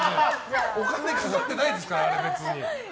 お金かけてないですから、別に。